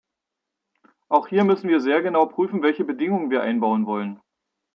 Auch hier müssen wir sehr genau prüfen, welche Bedingungen wir einbauen wollen.